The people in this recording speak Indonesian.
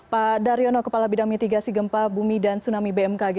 pak daryono kepala bidang mitigasi gempa bumi dan tsunami bmkg